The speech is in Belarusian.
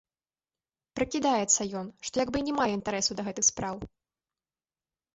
Прыкідаецца ён, што як бы й не мае інтарэсу да гэтых спраў.